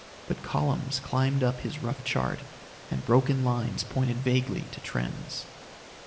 But columns climbed up his rough chart and broken lines pointed vaguely to trends.